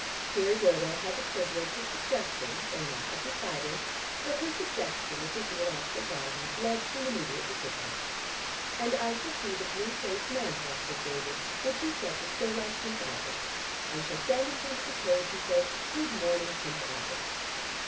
Here Dodo had the privilege of suggesting though not of deciding, but her suggestion of the Zoological Gardens led to an immediate decision. "And I shall see the blue faced mandrill," said David, "which you said was so like Prince Albert. I shall stand in front of the cage and say 'Good morning, Prince Albert.'"